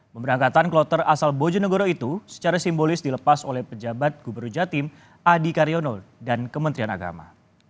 pemberangkatan kloter asal bojonegoro itu secara simbolis dilepas oleh pejabat gubernur jatim adi karyono dan kementerian agama